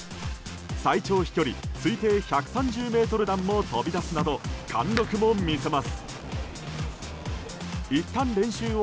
最長飛距離推定１３０ｍ弾も飛び出すなど貫禄も見せます。